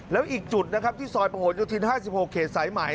แล้วอีกจุดที่ซอยประโหดอยู่ทิศ๕๐โคเมตรสายไหม